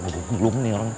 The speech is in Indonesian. belum nih orang